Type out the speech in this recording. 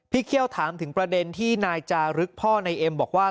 เคี่ยวถามถึงประเด็นที่นายจารึกพ่อนายเอ็มบอกว่า